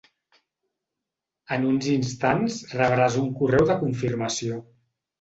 En uns instants rebràs un correu de confirmació.